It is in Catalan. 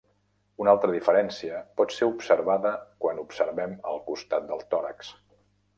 Una altra diferència pot ser observada quan observem el costat del tòrax.